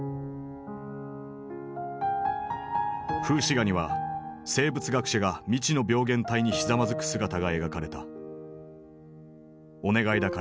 風刺画には生物学者が未知の病原体にひざまずく姿が描かれた。